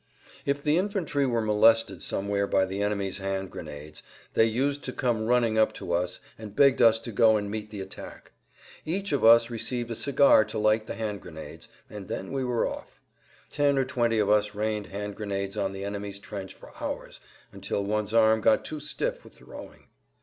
If the infantry were molested somewhere by the enemy's hand grenades they used to come running up to us and begged us to go and meet the attack. Each of us received a cigar to light the hand grenades, and then we were off. Ten or twenty of us rained hand grenades on the enemy's trench for hours until one's arm got too stiff with throwing.